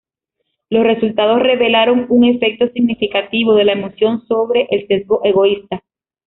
Los resultados revelaron un efecto significativo de la emoción sobre el sesgo egoísta.